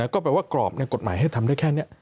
ก็แปลว่ากรอบกฎหมายให้ทำได้แค่นี้